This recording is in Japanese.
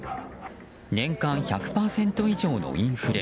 年間１００％以上のインフレ。